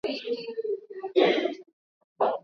Bado wanaamini kuna siku taarabu itasimama tena